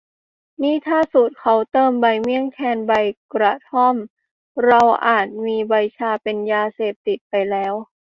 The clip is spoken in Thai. นี่ถ้าสูตรเค้าเติมใบเมี่ยงแทนใบกระท่อม เราอาจมีใบชาเป็นยาเสพติดไปแล้ว